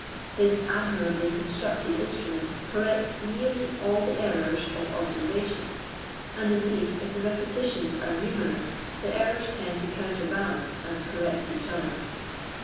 This admirably constructed instrument corrects nearly all the errors of ob servation, and indeed, if the repetitions are numerous, the errors tend to counterbalance and correct each other.